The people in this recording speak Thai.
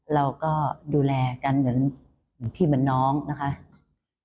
เราก็ดูแลกันเหมือนพี่เหมือนน้องอยู่กับพี่น้อง